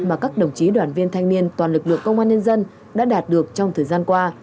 mà các đồng chí đoàn viên thanh niên toàn lực lượng công an nhân dân đã đạt được trong thời gian qua